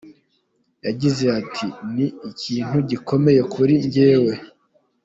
Yagize ati “Ni ikintu gikomeye kuri njye.